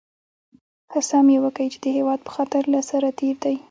قسم یې وکی چې د هېواد په خاطر له سره تېر دی